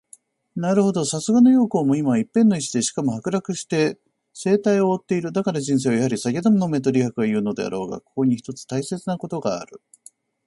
なるほど、さすがの羊公も、今は一片の石で、しかも剥落して青苔を蒙つてゐる。だから人生はやはり酒でも飲めと李白はいふのであらうが、ここに一つ大切なことがある。